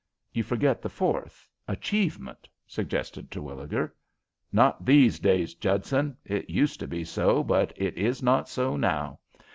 "You forget the fourth achievement," suggested Terwilliger. "Not these days, Judson. It used to be so, but it is not so now.